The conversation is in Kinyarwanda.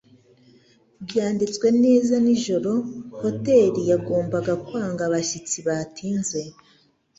Byanditswe neza nijoro hoteri yagombaga kwanga abashyitsi batinze